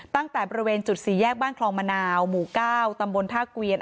ตั้งแต่บริเวณจุดสี่แยกบ้านคลองมะนาวหมู่๙ตำบลท่าเกวียน